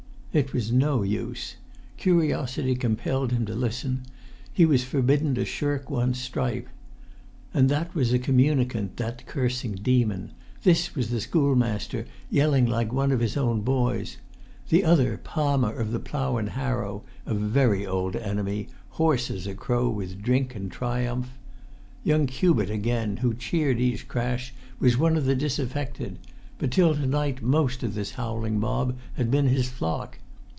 It was no use; curiosity compelled him to listen; he was forbidden to shirk one stripe. And that was a communicant, that cursing demon; this was the schoolmaster, yelling like one of his own boys; the other Palmer, of the Plough and Harrow, a very old[Pg 38] enemy, hoarse as a crow with drink and triumph. Young Cubitt, again, who cheered each crash, was one of the disaffected; but till to night most of this howling mob had been his flock.